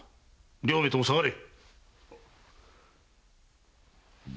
両名とも下がれ！